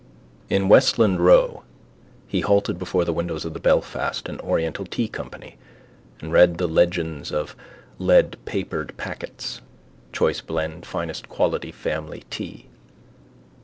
In Westland row he halted before the window of the Belfast and Oriental Tea Company and read the legends of leadpapered packets: choice blend, finest quality, family tea.